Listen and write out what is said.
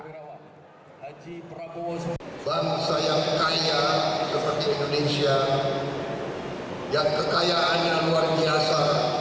bangsa yang kaya seperti indonesia yang kekayaannya luar biasa